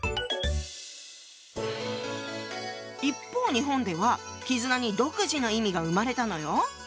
一方日本では「絆」に独自の意味が生まれたのよ。